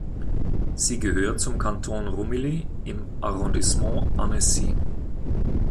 Sie gehört zum Kanton Rumilly im Arrondissement Annecy.